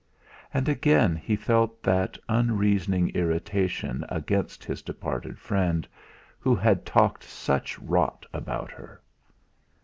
And again he felt that unreasoning irritation against his departed friend, who had talked such rot about her.